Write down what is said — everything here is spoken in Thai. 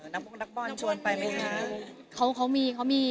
นักบอลชวนไปไหมคะ